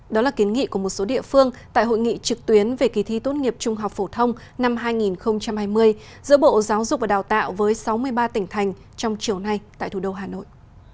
đó là kiến nghị của một số địa phương tại hội nghị trực tuyến về kỳ thi tốt nghiệp trung học phổ thông năm hai nghìn hai mươi giữa bộ giáo dục và đào tạo với sáu mươi ba tỉnh thành trong chiều nay tại thủ đô hà nội